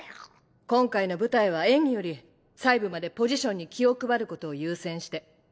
今回の舞台は演技より細部までポジションに気を配ることを優先して。